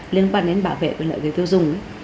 liên quan đến bảo vệ quyền lợi người tiêu dùng